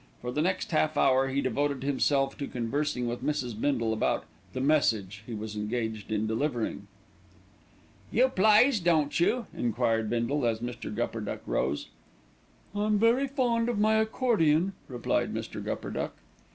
For the next half hour he devoted himself to conversing with Mrs. Bindle about "the message" he was engaged in delivering. "You plays, don't you?" enquired Bindle, as Mr. Gupperduck rose. "I am very fond of my accordion," replied Mr. Gupperduck.